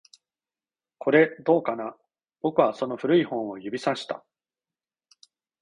これ、どうかな？僕はその古い本を指差した